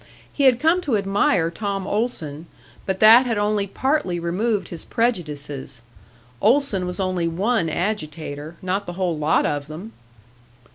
He had come to admire Tom Olson but that had only partly removed his prejudices; Olson was only one agitator, not the whole lot of them!